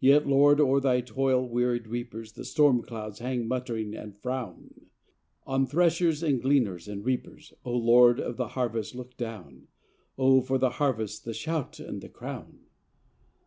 Yet, Lord, o'er Thy toil wearied reapers The storm clouds hang muttering and frown: On threshers and gleaners and reapers, O Lord of the harvest, look down ; Oh for the harvest, the shout, and the crown